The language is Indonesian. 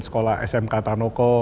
sekolah smk tanoko